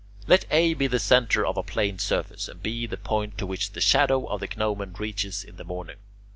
Let A be the centre of a plane surface, and B the point to which the shadow of the gnomon reaches in the morning.